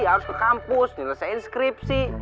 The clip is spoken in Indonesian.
harus ke kampus dilesein skripsi